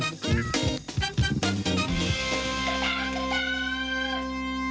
จริง